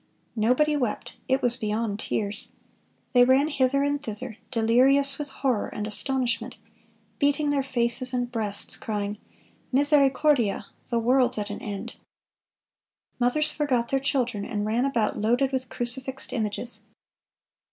Nobody wept; it was beyond tears. They ran hither and thither, delirious with horror and astonishment, beating their faces and breasts, crying, 'Misericordia! the world's at an end!' Mothers forgot their children, and ran about loaded with crucifixed images.